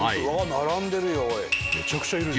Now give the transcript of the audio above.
並んでるよおい。